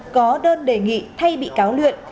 có đơn đề nghị thay bị cáo luyện